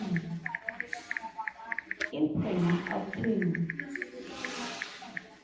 IN PRAISE OF TWO.